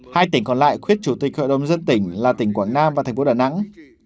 hai tỉnh còn lại quyết chủ tịch hội đồng dân tỉnh là tỉnh quảng nam và thành phố đà nẵng